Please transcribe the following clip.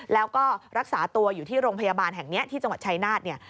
แล้วก็รักษาตัวอยู่ที่โรงพยาบาลแห่งนี้ที่จังหวัดชายนาฏเนี่ย